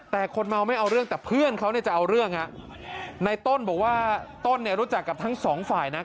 แต่คนเมาไม่เอาเรื่องแต่เพื่อนเขาเนี่ยจะเอาเรื่องในต้นบอกว่าต้นเนี่ยรู้จักกับทั้งสองฝ่ายนะ